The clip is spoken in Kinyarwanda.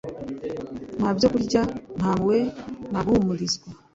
nta byokurya, nta mpuhwe, nta guhumurizwa